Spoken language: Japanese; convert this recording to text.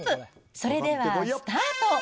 それではスタート。